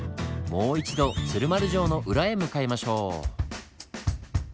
もう一度鶴丸城の裏へ向かいましょう。